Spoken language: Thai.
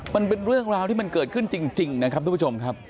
มันเป็นเรื่องราวที่มันเกิดขึ้นจริงนะครับทุกผู้ชมครับ